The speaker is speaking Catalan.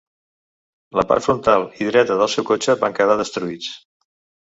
La part frontal i dreta del seu cotxe van quedar destruïts.